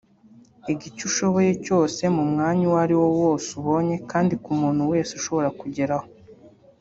Iga icyo ushoboye cyose mu mwanya uwo ari wo wose ubonye kandi ku muntu wese ushobora kugeraho